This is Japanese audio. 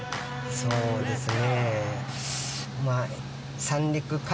そうですね。